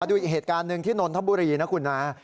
ดูอีกเหตุการณ์หนึ่งที่นนทบุรีนะคุณนะ